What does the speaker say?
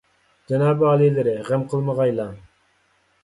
جانابىي ئالىيلىرى، غەم قىلمىغايلا.